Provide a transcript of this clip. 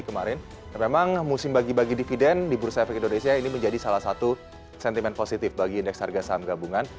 memang musim bagi bagi dividen di bursa efek indonesia ini menjadi salah satu sentimen positif bagi indeks harga saham gabungan